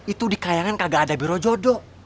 itu di kayangan kagak ada biro jodoh